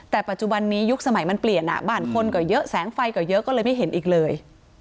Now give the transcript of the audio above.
แต่ปัจจุบันนี้ยุคสมัยมันเปลี่ยนบ้านคนก็เยอะแสงไฟก็เยอะก็เลยไม่เห็นอีกเลย